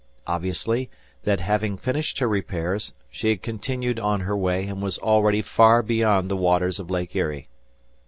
Obviously, that, having finished her repairs, she had continued on her way, and was already far beyond the waters of Lake Erie.